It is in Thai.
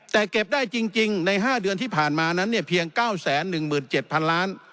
แต่เก็บได้จริงใน๕เดือนที่ผ่านมานั้นเนี่ยเพียง๙๑๗๐๐๐ล้าน